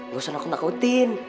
gak usah aku takutin